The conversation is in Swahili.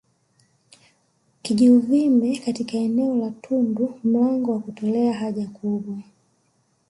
Kijiuvimbe katika eneo la tundu mlango wa kutolea haja kubwa